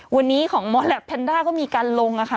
วันนี้ของมดและแพนด้าก็มีการลงค่ะ